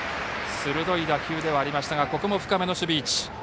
鋭い打球ではありましたがここも深めの守備位置。